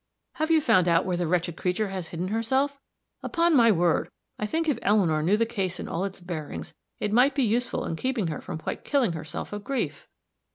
"Have you found out where the wretched creature has hidden herself? Upon my word, I think if Eleanor knew the case in all its bearings, it might be useful in keeping her from quite killing herself of grief."